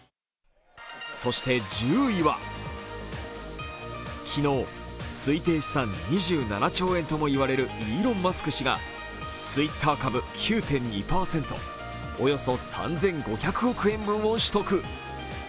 そして１０位は、昨日、推定資産２７兆円とも言われるイーロン・マスク氏がＴｗｉｔｔｅｒ株９．２％およそ３５００億円分を取得。